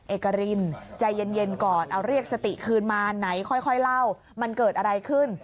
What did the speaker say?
เอกรินใจเย็นก่อนเอาเรียกสติคืนมาไหนค่อยเล่ามันเกิดอะไรขึ้น